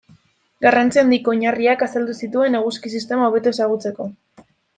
Garrantzi handiko oinarriak azaldu zituen eguzki-sistema hobeto ezagutzeko.